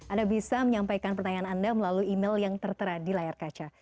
anda bisa menyampaikan pertanyaan anda melalui email yang tertera di layar kaca